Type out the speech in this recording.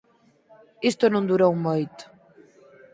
Isto non durou moito.